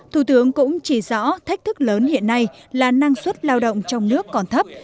thủ tướng cũng chỉ rõ thách thức lớn hiện nay là năng suất lao động trong nước còn thấp